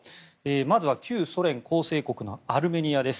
まず旧ソ連構成国のアルメニアです。